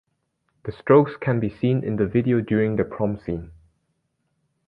The Strokes can be seen in the video during the prom scene.